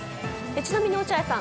ちなみに落合さん